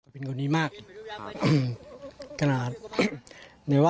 เป็นคนดีมากนะครับนะครับ